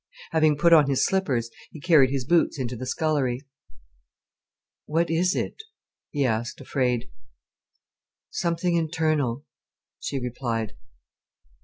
Having put on his slippers, he carried his boots into the scullery. "What is it?" he asked, afraid. "Something internal," she replied.